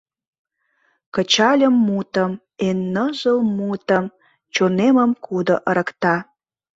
Кычальым мутым, Эн ныжыл мутым, Чонемым кудо ырыкта.